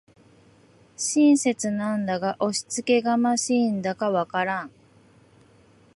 親切なんだか押しつけがましいんだかわからん